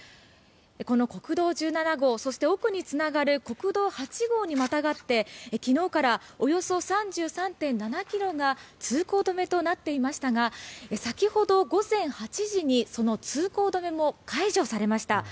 この国道１７号そして奥につながる国道８号にまたがって昨日からおよそ３３．７ｋｍが通行止めとなっていましたが先ほど午前８時にその通行止めも解除されました。